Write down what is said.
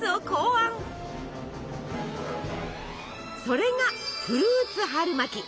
それがフルーツ春巻き！